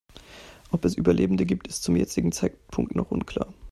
Ob es Überlebende gibt, ist zum jetzigen Zeitpunkt noch unklar.